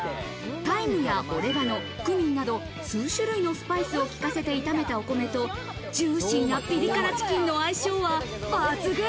タイムやオレガノ、クミンなど、数種類のスパイスを効かせて炒めたお米と、ジューシーなピリ辛チキンの相性は抜群。